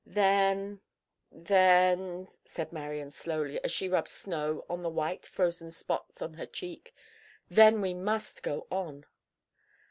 "Then—then," said Marian slowly, as she rubbed snow on the white, frozen spots of her cheek, "then we must go on."